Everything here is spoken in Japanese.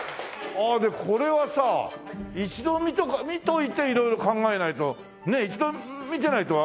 これはさ一度見といて色々考えないとねえ一度見てないとあれですよね？